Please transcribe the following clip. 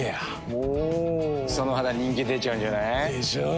その肌人気出ちゃうんじゃない？でしょう。